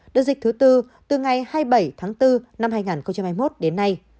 đợt dịch thứ tư từ ngày hai mươi bảy tháng bốn năm hai nghìn hai mươi một đến nay